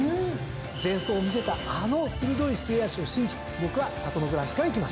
前走見せたあの鋭い末脚を信じて僕はサトノグランツからいきます！